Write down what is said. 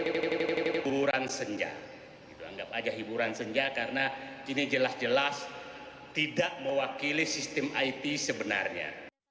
hiburan senja anggap aja hiburan senja karena ini jelas jelas tidak mewakili sistem it sebenarnya